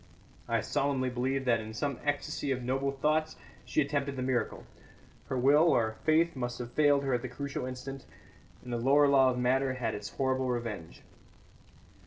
I solemnly believe that in some ecstasy of noble thoughts she attempted the miracle. Her will, or faith, must have failed her at the crucial instant, and the lower law of matter had its horrible revenge.